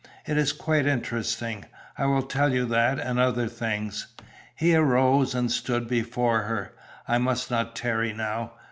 It is quite interesting. I will tell you that and other things." He arose and stood before her. "I must not tarry now.